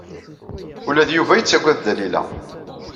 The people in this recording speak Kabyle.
Ula d Yuba yettaggad Dalila.